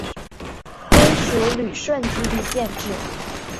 归属旅顺基地建制。